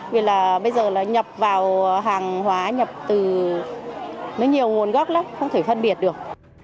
vì là bây giờ là nhập vào hàng hóa nhập từ nó nhiều nguồn gốc lắm không thể phân biệt được